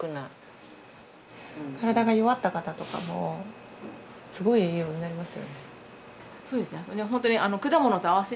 体が弱った方とかもすごい栄養になりますよね。